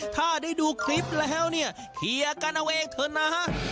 ถ้าได้ดูคลิปแล้วเนี่ยเคลียร์กันเอาเองเถอะนะ